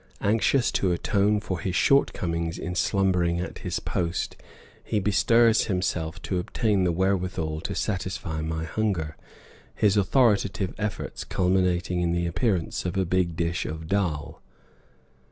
Anxious to atone for his shortcomings in slumbering at his post, he bestirs himself to obtain the wherewithal to satisfy my hunger, his authoritative efforts culminating in the appearance of a big dish of dhal.